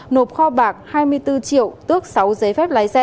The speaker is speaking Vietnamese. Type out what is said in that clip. nộp kho bạc hai mươi bốn triệu tước sáu giấy phép lái xe